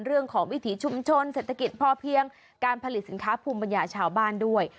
วิถีชุมชนเศรษฐกิจพอเพียงการผลิตสินค้าภูมิปัญญาชาวบ้านด้วย